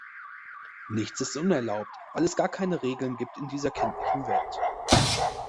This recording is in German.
Nichts ist unerlaubt, weil es gar keine Regeln gibt in dieser kindlichen Welt.